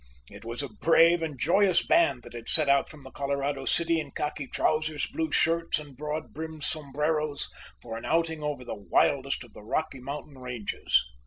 It was a brave and joyous band that had set out from the Colorado city in khaki trousers, blue shirts and broad brimmed sombreros for an outing over the wildest of the Rocky Mountain ranges.